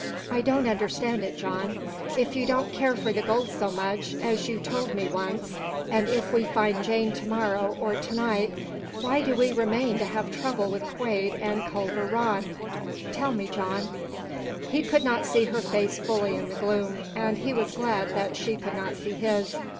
I don't understand it, John. If you don't care for the gold so much, as you told me once, and if we find Jane to morrow, or to night, why do we remain to have trouble with Quade and Culver Rann? Tell me, John." He could not see her face fully in the gloom, and he was glad that she could not see his.